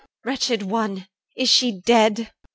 Wretched one, is she dead?